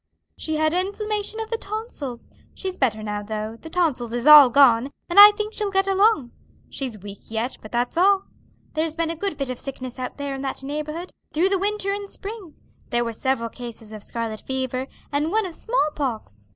"She had inflammation of the tonsils; she's better now though; the tonsils is all gone, and I think she'll get along. She's weak yet; but that's all. There's been a good bit of sickness out there in that neighborhood, through the winter and spring; there were several cases of scarlet fever, and one of small pox.